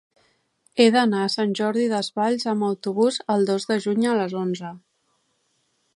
He d'anar a Sant Jordi Desvalls amb autobús el dos de juny a les onze.